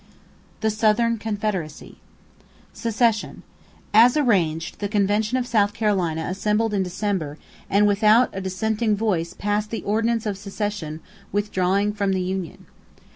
THE SOUTHERN CONFEDERACY =Secession.= As arranged, the convention of South Carolina assembled in December and without a dissenting voice passed the ordinance of secession withdrawing from the union.